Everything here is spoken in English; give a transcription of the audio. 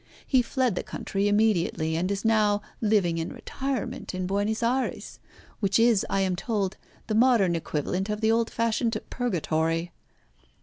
He fled the country immediately, and is now living in retirement in Buenos Ayres, which is, I am told, the modern equivalent of the old fashioned purgatory."